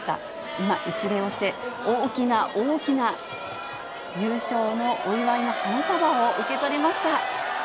今、一礼をして、大きな大きな優勝のお祝いの花束を受け取りました。